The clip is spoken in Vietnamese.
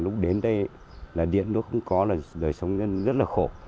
lúc đến đây là điện nó không có là đời sống rất là khổ